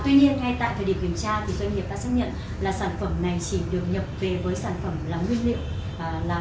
tuy nhiên ngay tại thời điểm kiểm tra thì doanh nghiệp đã xác nhận là sản phẩm này chỉ được nhập về với sản phẩm là nguyên liệu là nông sản